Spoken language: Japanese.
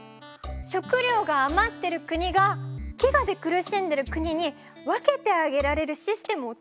食料があまってる国が飢餓で苦しんでる国に分けてあげられるシステムを作ればいいんだ。